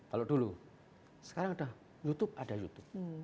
kalau dulu sekarang ada youtube ada youtube